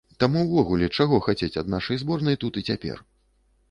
Таму ўвогуле, чаго хацець ад нашай зборнай тут і цяпер?